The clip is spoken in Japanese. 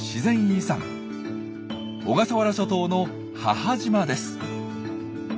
小笠原諸島の母島です。